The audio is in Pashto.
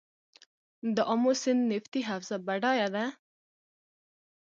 د امو سیند نفتي حوزه بډایه ده؟